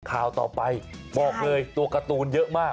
ข่าวต่อไปบอกเลยตัวการ์ตูนเยอะมาก